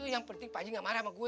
yang penting pak j gak marah sama gue